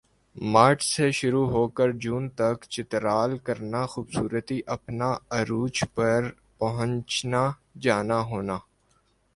مارچ سے شروع ہوکر جون تک چترال کرنا خوبصورتی اپنا عروج پر پہنچنا جانا ہونا